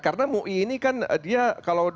karena mui ini kan dia kalau